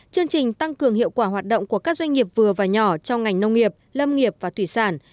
chương trình tăng cường hiệu quả hoạt động của các doanh nghiệp vừa và nhỏ trong ngành nông nghiệp lâm nghiệp và thủy sản